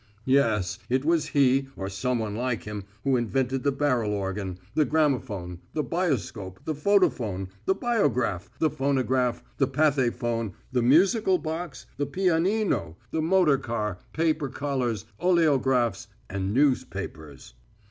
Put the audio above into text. Yes, it was he or someone like him who invented the barrel organ, the gramophone, the bioscope, the photophone, the biograph, the phonograph, the pathephone, the musical box, the pianino, the motor car, paper collars, oleographs, and newspapers.